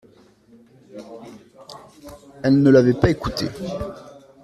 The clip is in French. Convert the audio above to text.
Elles ne l’avaient pas écouté.